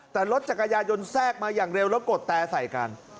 แต่รถจักรยายนแทรกมาอย่างเร็วแล้วกดแต่ใส่กัน